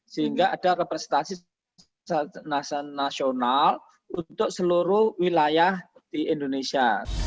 sehingga ada representasi nasional untuk seluruh wilayah di indonesia